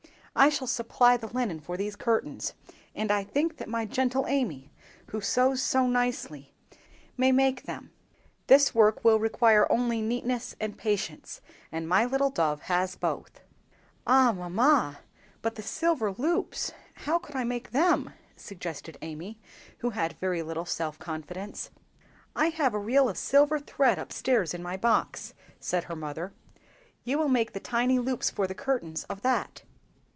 I shall supply the linen for these curtains, and I think that my gentle Amy, who sews so nicely, may make them. This work will require only neatness and patience, and my little dove has both." "Ah, mamma! but the silver loops—how could I make them?" suggested Amy, who had very little self confidence. "I have a reel of silver thread up stairs in my box," said her mother; "you will make the tiny loops for the curtains of that."